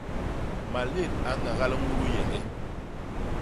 Malét a ñagal ñudu yeñge.